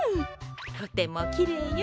とてもきれいよ。